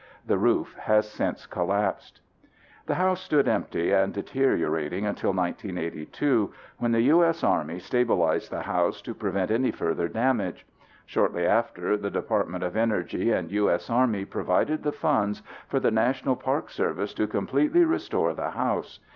The roof has since collapsed. The house stood empty and deteriorating until 1982 when the U.S. Army stabilized the house to prevent any further damage. Shortly after, the Department of Energy and U.S. Army provided the funds for the National Park Service to completely restore the house.